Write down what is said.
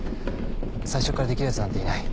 最初からできるやつなんていない。